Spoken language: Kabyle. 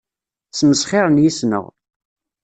Smesxiren yes-neɣ.